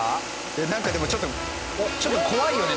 なんかでもちょっとちょっと怖いよね。